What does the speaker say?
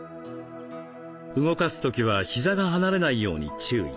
動かす時はひざが離れないように注意。